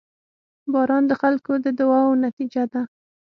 • باران د خلکو د دعاوو نتیجه ده.